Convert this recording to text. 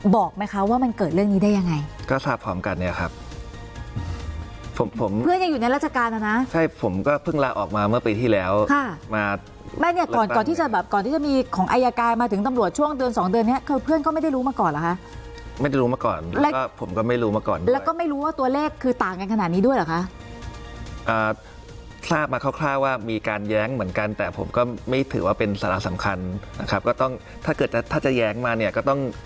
บอกไหมคะว่ามันเกิดเรื่องนี้ได้ยังไงก็ทราบพร้อมกันเนี่ยครับเพื่อนยังอยู่ในราชการนะนะใช่ผมก็เพิ่งลาออกมาเมื่อปีที่แล้วก่อนที่จะมีของอายกายมาถึงตำรวจช่วงเดือนสองเดือนเนี่ยเพื่อนก็ไม่ได้รู้มาก่อนหรอคะไม่ได้รู้มาก่อนผมก็ไม่รู้มาก่อนแล้วก็ไม่รู้ว่าตัวเลขคือต่างกันขนาดนี้ด้วยหรอคะทราบมาคร่าวว่ามีก